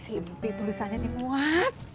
simpi tulisannya nih muat